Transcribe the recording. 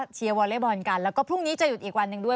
วอเล็กบอลกันแล้วก็พรุ่งนี้จะหยุดอีกวันหนึ่งด้วย